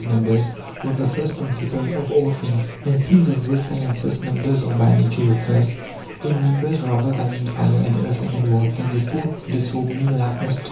num bers) were the first principles of all things. And since of these (sciences) numbers are by nature the first, in numbers rather than in fire and earth and water they thought they saw many likenesses to.